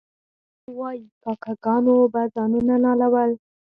غبار وایي کاکه ګانو به ځانونه نالول.